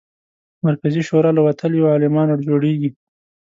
مرکزي شورا له وتلیو عالمانو جوړېږي.